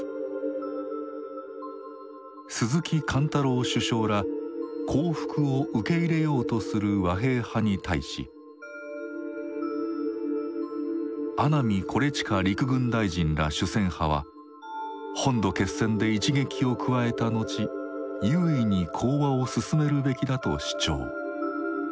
鈴木貫太郎首相ら降伏を受け入れようとする和平派に対し阿南惟幾陸軍大臣ら主戦派は本土決戦で一撃を加えた後優位に講和をすすめるべきだと主張。